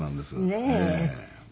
ねえ。